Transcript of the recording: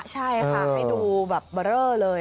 ใช่ค่ะไม่ดูเบอร์เรอเลย